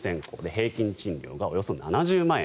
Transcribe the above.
平均賃料がおよそ７０万円。